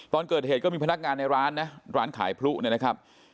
ตอนเกิดเหตุก็มีพนักงานในร้านนะร้านขายพลุเนี่ยนะครับ